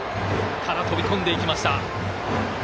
ただ、飛び込んでいきました。